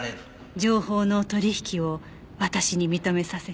情報の取引を私に認めさせた。